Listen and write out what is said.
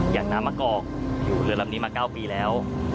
อย่างน้ำมะกอกอยู่เรือลำนี้มา๙ปีแล้ว